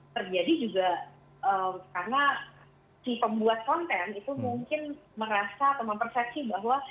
terjadi juga karena si pembuat konten itu mungkin merasa atau mempersepsi bahwa